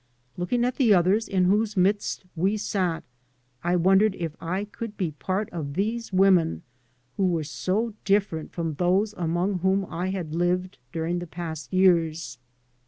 Looking at the others in whose midst we sat I wondered if I could be part of these women who were so different from those among whom I had lived during the past years.